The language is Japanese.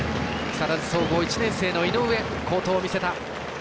木更津総合、１年生の井上好投を見せた。